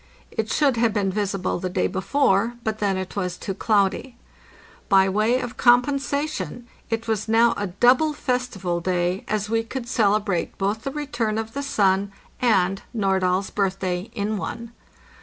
It should have been visible the day before, but then it was too cloudy. By way of compensation it was now a double festival day, as we could celebrate both the return of the sun and Nordahl's birth day in one.